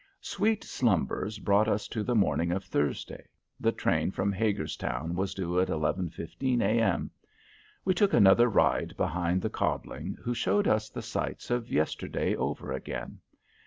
Sweet slumbers brought us to the morning of Thursday. The train from Hagerstown was due at 11.15 A. M: We took another ride behind the codling, who showed us the sights of yesterday over again.